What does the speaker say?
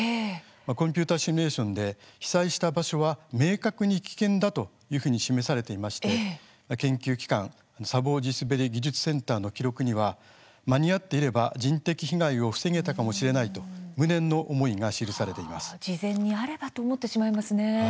コンピューターシミュレーションで被災した場所は明確に危険だと示されていまして研究機関砂防・地すべり技術センターの記録には間に合っていれば人的被害を防げたかもしれないと事前にあればと思ってしまいますね。